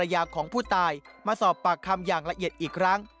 ยาของผู้ตายมาสอบปากคำอย่างละเอียดอีกครั้ง